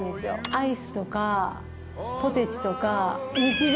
アイスとかポテチとか日常